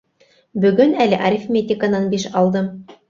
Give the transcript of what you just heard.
- Бөгөн әле арифметиканан биш алдым.